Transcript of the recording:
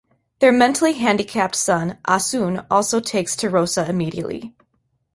Their mentally handicapped son Ah Soon also takes to Rosa immediately.